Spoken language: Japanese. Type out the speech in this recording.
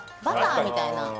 バターみたいな。